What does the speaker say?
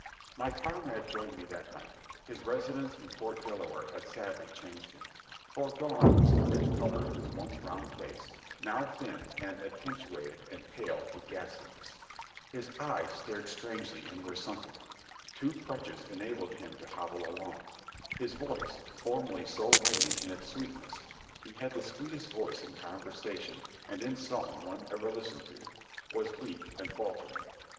My comrade joined me that night; his residence in Fort Dela ware had sadly changed him; for gone was the rich color of his once round face, now thin and attenuated and pale to ghastliness; his eyes stared strangely and were sunken, two crutches enabled him to hobble along; his voice, formerly so ringing in its sweet ness (he had the sweetest voice in conversation and in song one ever listened to), was weak and faltering.